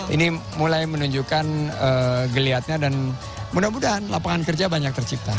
ini mulai menunjukkan geliatnya dan mudah mudahan lapangan kerja banyak tercipta